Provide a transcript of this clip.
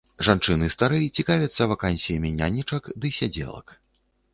Жанчыны старэй цікавяцца вакансіямі нянечак ды сядзелак.